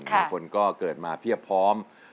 บางคนก็เกิดมาเพียบพร้อม